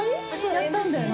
やったんだよね？